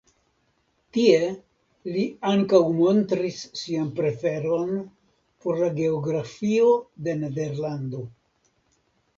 Tie li ankaŭ montris sian preferon por la geografio de Nederlando.